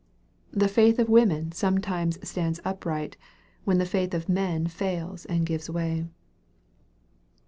The faith of women sometimes stands upright, when the faith of men fails and gives way.